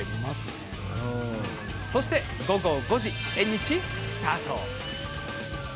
そして午後５時、縁日スタート。